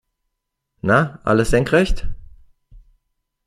Na, alles senkrecht?